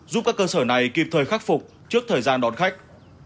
giúp các cơ sở này kịp thời khắc phục trước thời gian đón khách